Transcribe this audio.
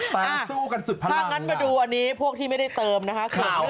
ถ้างั้นมาดูอันนี้พวกที่ไม่ได้เติมนะคะ